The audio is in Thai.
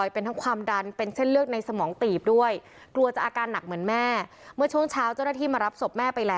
เป็นเคสตัวอย่างใช่ไหมพี่